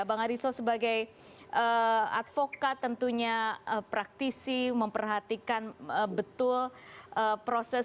bang aristo sebagai advokat tentunya praktisi memperhatikan betul proses